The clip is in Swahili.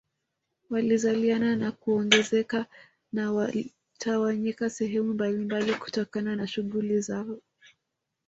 Walizaliana na kuongezeka na walitawanyika sehemu mbalimbali kutokana na shughuli zao